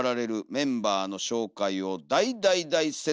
メンバーの紹介を大・大・大説明します。